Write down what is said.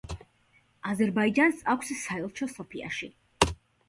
აზერბაიჯანს აქვს საელჩო სოფიაში.